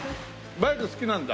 バイク好きなんだ。